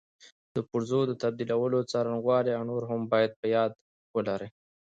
د پرزو د تبدیلولو څرنګوالي او نور هم باید په یاد ولري.